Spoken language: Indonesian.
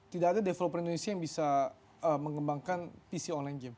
tidak ada developer indonesia yang bisa mengembangkan pc online game